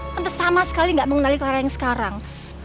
tante sama sekali gak mengenali clara yang sekarang